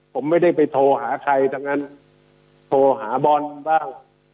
ผมไม่ได้ไปโทรหาใครทั้งนั้นโทรหาบอลบ้าง